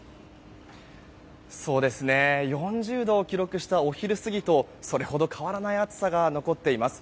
４０度を記録したお昼過ぎとそれほど変わらない暑さが残っています。